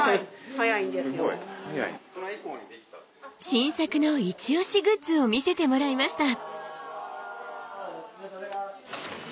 新作のイチオシグッズを見せてもらいました。